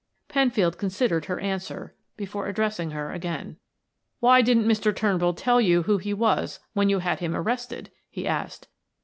Penfield considered her answer before addressing her again. "Why didn't Mr. Turnbull tell you who he was when you had him arrested?" he asked.